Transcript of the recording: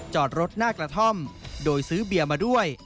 จอดรถหน้ากระท่อมโดยซื้อเบียร์มาด้วย